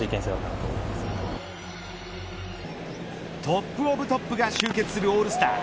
トップオブトップが集結するオールスター。